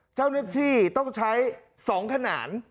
เจ้าหน้าที่ต้องใช้๒ขนาน